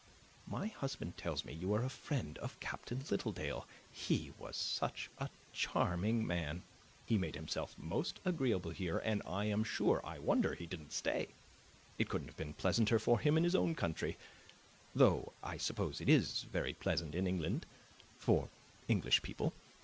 My husband tells me you are a friend of Captain Littledale; he was such a charming man. He made himself most agreeable here, and I am sure I wonder he didn't stay. It couldn't have been pleasanter for him in his own country, though, I suppose, it is very pleasant in England, for English people.